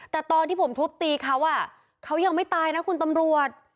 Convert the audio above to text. แต่ตอนที่ผมทุบตีเขาเขายังไม่ตายนะคุณตำรวจ